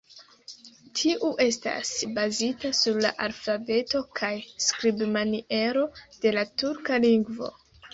Tiu estas bazita sur la alfabeto kaj skribmaniero de la turka lingvo.